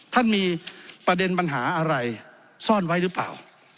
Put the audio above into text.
ท่านมีประเด็นปัญหาอะไรซ่อนไว้หรือเปล่า